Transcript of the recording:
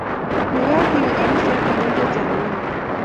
Magaat iwe kaniset konyil chechang kogeny